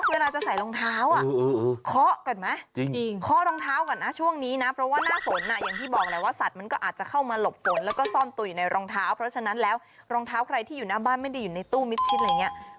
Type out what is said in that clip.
เวลาจะใส่รองเท้าขบดูสิก่อนค่ะ